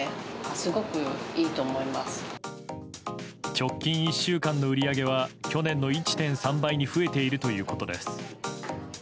直近１週間の売り上げは去年の１．３倍に増えているということです。